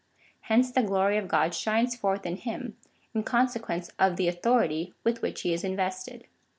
Hence the glory of God shines forth in him, in consequence of the authority with which he is invested.